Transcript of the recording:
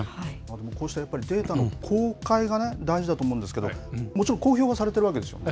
でもこうしたやっぱりデータの公開が大事だと思うんですけど、もちろん公表はされているわけですよね。